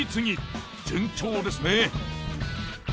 順調ですね。